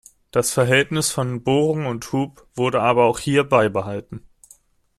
Das Verhältnis von Bohrung und Hub wurde aber auch hier beibehalten.